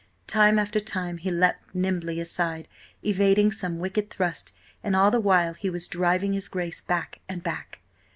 Time after time he leapt nimbly aside, evading some wicked thrust, and all the while he was driving his Grace back and back.